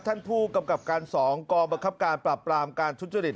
ท่านผู้กำกับการ๒กองบังคับการปราบปรามการทุจริต